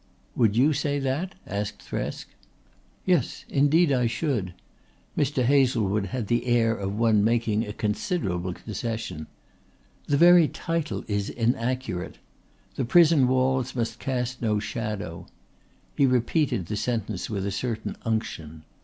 "Would you say that?" asked Thresk. "Yes, indeed I should." Mr. Hazlewood had the air of one making a considerable concession. "The very title is inaccurate. The Prison Walls must Cast no Shadow." He repeated the sentence with a certain unction.